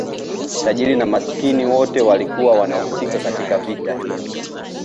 tajiri na masikini wote walikuwa wanahusika katika vita hiyo